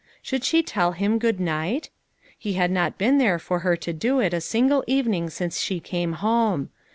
Should she tell him good night ? He had not been there for her to do it a single evening since she came home.